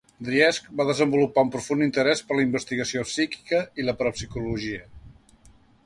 Driesch va desenvolupar un profund interès per la investigació psíquica i la parapsicologia.